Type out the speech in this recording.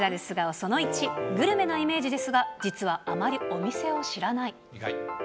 その１、グルメなイメージですが、実はあまりお店を知らない。